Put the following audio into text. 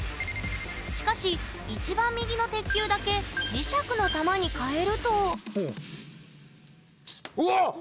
しかし一番右の鉄球だけ磁石の玉にかえるとうおっ！